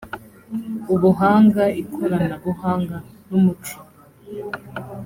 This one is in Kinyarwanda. ubuhanga ikoranabuhanga n umuco